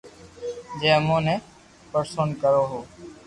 جي امون نو پرݾون ڪرو ھي